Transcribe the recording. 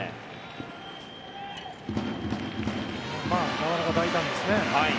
なかなか大胆ですね。